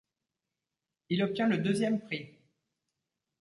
Il obtient le deuxième prix.